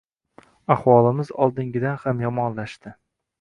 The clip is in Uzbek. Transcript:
Ahvolimiz oldingidan ham yomonlashdi